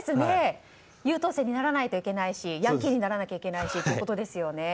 優等生にならないといけないしヤンキーにならないといけないしということですよね。